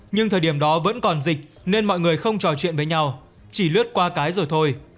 nhưng thời điểm đó vẫn còn dịch nên mọi người không trò chuyện với nhau chỉ lướt qua cái rồi thôi